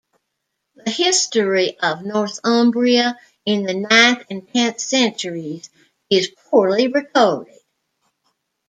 The history of Northumbria in the ninth and tenth centuries is poorly recorded.